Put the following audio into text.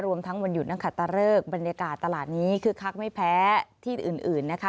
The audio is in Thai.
ทั้งวันหยุดนักขัตตะเริกบรรยากาศตลาดนี้คึกคักไม่แพ้ที่อื่นนะคะ